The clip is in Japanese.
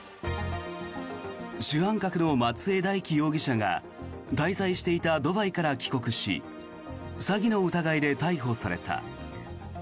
主犯格の松江大樹容疑者が滞在していたドバイから帰国し詐欺の疑いで逮捕された。